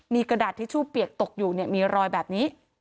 มีกระดาษทิชชู่เปียกตกอยู่เนี่ยมีรอยแบบนี้